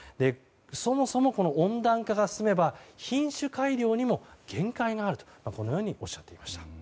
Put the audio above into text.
そもそも温暖化が進めば品種改良にも限界があるとこのようにおっしゃていました。